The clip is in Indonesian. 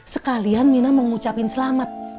sekalian minah mau ngucapin selamat